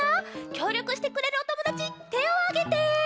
きょうりょくしてくれるおともだちてをあげて！